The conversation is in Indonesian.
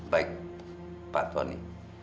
baik pak tony